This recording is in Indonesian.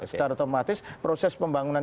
secara otomatis proses pembangunan